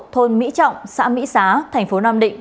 thôn mỹ trọng xã mỹ xá thành phố nam định